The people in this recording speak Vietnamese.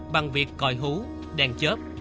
bằng việc còi hú đèn chớp